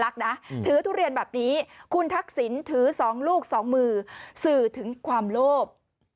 คุณทักษิณถือสองลูกสองมือสื่อถึงความโลภ